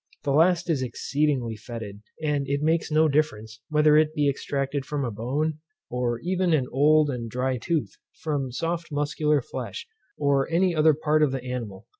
The last is exceedingly fetid; and it makes no difference, whether it be extracted from a bone, or even an old and dry tooth, from soft muscular flesh; or any other part of the animal.